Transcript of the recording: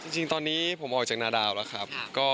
จริงตอนนี้ผมออกจากนาดาวแล้วครับ